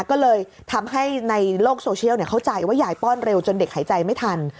ก็เลยทำให้ในโลกโซเชียลเข้าใจว่ายายป้อนเร็วจนเด็กหายใจไม่ทัน